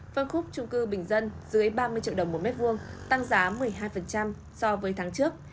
phân khúc trung cư bình dân dưới ba mươi triệu đồng một mét vuông tăng giá một mươi hai so với tháng trước